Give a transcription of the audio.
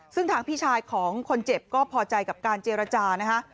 ซึ่งทางพี่ชายของคนเจ็บก็พอใจกับการเจรจานะฮะ